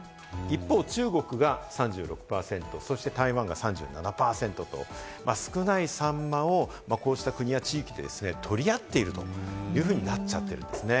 一方、中国が３６％、台湾が３７％と少ないサンマをこうした国や地域でですね、取り合っているというふうになっちゃってるんですね。